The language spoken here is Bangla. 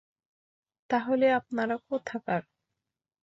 তাহলে, আপনারা কোথাকার?